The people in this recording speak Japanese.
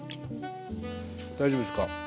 大丈夫ですか。